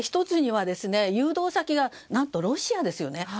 １つには誘導先が何とロシアですよね。